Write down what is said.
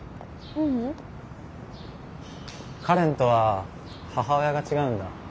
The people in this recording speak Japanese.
香蓮とは母親が違うんだ。